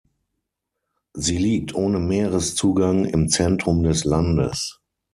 Sie liegt ohne Meereszugang im Zentrum des Landes.